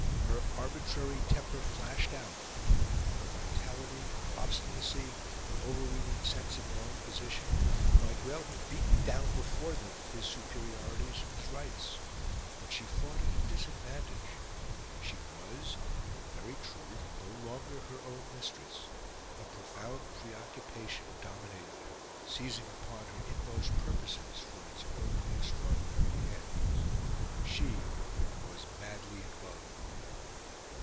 Her arbitrary temper flashed out. Her vitality, her obstinacy, her overweening sense of her own position, might well have beaten down before them his superiorities and his rights. But she fought at a disadvantage; she was, in very truth, no longer her own mistress; a profound preoccupation dominated her, seizing upon her inmost purposes for its own extraordinary ends. She was madly in love.